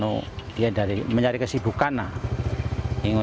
mungkin saya inisiatif aku mencari kesibukan